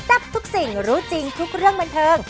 ทับทุกสิ่งรู้จริงทุกเรื่องบันเทิง